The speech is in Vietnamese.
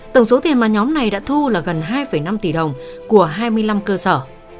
tổng số tiền mà nhóm này đã thu là gần hai năm tỷ đồng của hai mươi năm cơ sở